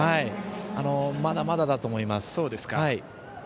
まだまだだと思います。